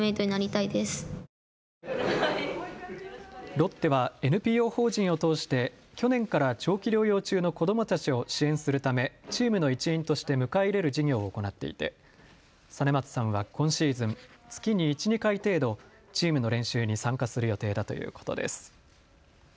ロッテはＮＰＯ法人を通して去年から長期療養中の子どもたちを支援するためチームの一員として迎え入れる事業を行っていて實松さんは今シーズン、月に１、２回程度、チームの練習に参加する予定だということです。